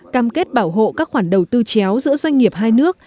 cam kết bảo hộ các khoản đầu tư chéo giữa doanh nghiệp hai nước